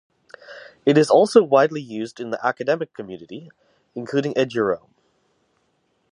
It is also widely used in the academic community, including eduroam.